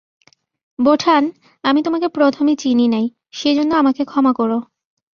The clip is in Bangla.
বোঠান, আমি তোমাকে প্রথমে চিনি নাই, সেজন্য আমাকে ক্ষমা করো।